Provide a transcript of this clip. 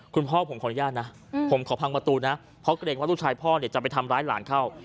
คุณพ่อผมขออนุญาตนะผมขอพังประตูนะเพราะเกรงว่าลูกชายพ่อเนี่ยจะไปทำร้ายหลานเข้า